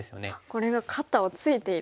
これが肩をツイている。